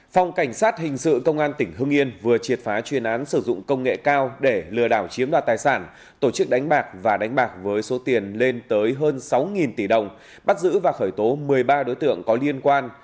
phòng cảnh sát hình sự công an tỉnh hưng yên vừa triệt phá chuyên án sử dụng công nghệ cao để lừa đảo chiếm đoạt tài sản tổ chức đánh bạc và đánh bạc với số tiền lên tới hơn sáu tỷ đồng bắt giữ và khởi tố một mươi ba đối tượng có liên quan